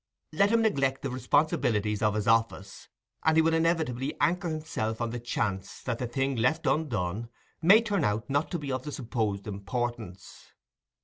Let him neglect the responsibilities of his office, and he will inevitably anchor himself on the chance that the thing left undone may turn out not to be of the supposed importance.